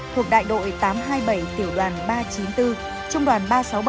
thuộc đại đội tám trăm hai mươi bảy tiểu đoàn ba trăm chín mươi bốn trung đoàn ba trăm sáu mươi bảy